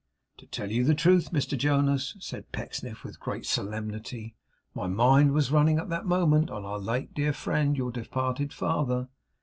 'To tell you the truth, Mr Jonas,' said Pecksniff with great solemnity, 'my mind was running at that moment on our late dear friend, your departed father.